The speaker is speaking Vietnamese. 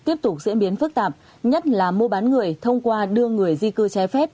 tiếp tục diễn biến phức tạp nhất là mô bán người thông qua đường người di cư trái phép